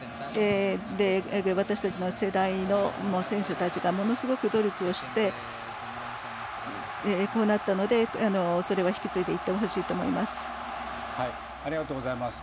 私たちの世代の選手たちがものすごく努力をしてこうなったのでそれは引き継いでいってほしいと思います。